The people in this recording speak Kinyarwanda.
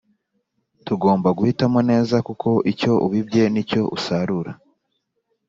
Tugomba guhitamo neza kuko icyo ubibye nicyo usarura